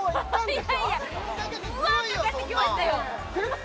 いやいやブワーかかってきましたよ